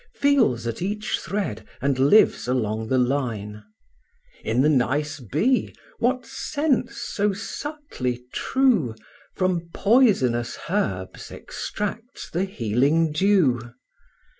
Feels at each thread, and lives along the line: In the nice bee, what sense so subtly true From poisonous herbs extracts the healing dew?